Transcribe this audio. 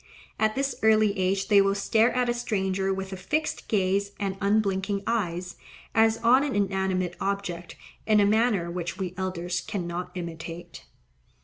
At this early age they will stare at a stranger with a fixed gaze and un blinking eyes, as on an inanimate object, in a manner which we elders cannot imitate.